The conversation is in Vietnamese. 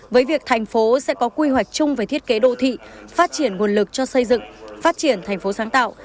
với việc thành phố sẽ có quy hoạch chung về thiết kế đô thị phát triển nguồn lực cho xây dựng phát triển thành phố sáng tạo